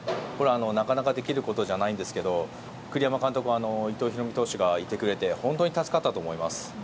なかなかできることじゃないですけど栗山監督は伊藤大海投手がいてくれて本当に助かったと思います。